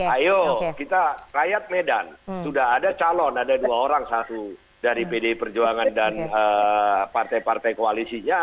ayo kita rakyat medan sudah ada calon ada dua orang satu dari pdi perjuangan dan partai partai koalisinya